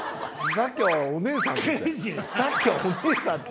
さっきは「お姉さん」って。